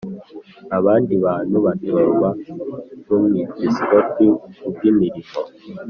Abandi bantu batorwa n umwepiskopi kubw imirimo